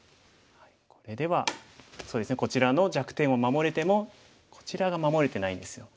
これではそうですねこちらの弱点を守れてもこちらが守れてないんですよ。